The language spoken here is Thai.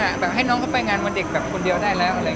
ระดับให้น้องเข้ายงานวันเด็กคนเดียวได้แหละ